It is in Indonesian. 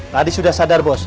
tadi sudah sadar bos